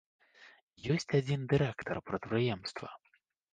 Ёсць адзін дырэктар прадпрыемства.